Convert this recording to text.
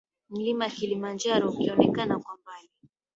Mlima Kilimanjaro ukionekana kwa mbali